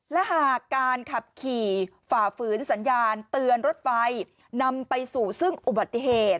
และหากการขับขี่ฝ่าฝืนสัญญาณเตือนรถไฟนำไปสู่ซึ่งอุบัติเหตุ